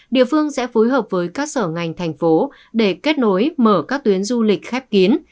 địa phương sẽ phối hợp với các sở ngành thành phố để kết nối mở các tuyến du lịch khép kín